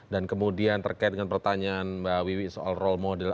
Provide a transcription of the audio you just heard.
dan kemudian terkait dengan pertanyaan mbak wiwi soal role model